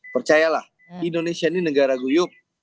percayalah indonesia ini negara guyup